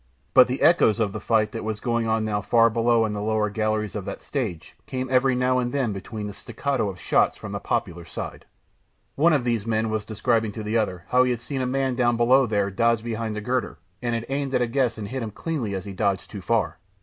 But the echoes of the fight that was going on now far below in the lower galleries of that stage, came every now and then between the staccato of shots from the popular side. One of these men was describing to the other how he had seen a man down below there dodge behind a girder, and had aimed at a guess and hit him cleanly as he dodged too far.